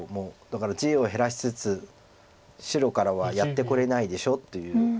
だから地を減らしつつ白からはやってこれないでしょという。